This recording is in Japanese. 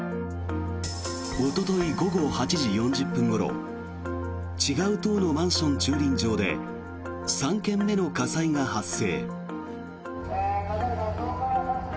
おととい午後８時４０分ごろ違う棟のマンション駐輪場で３件目の火災が発生。